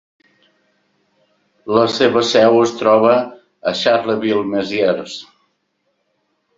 La seva seu es troba a Charleville-Mézières.